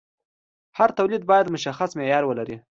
هر تولید باید مشخص معیار ولري.